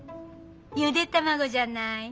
ゆで卵じゃない？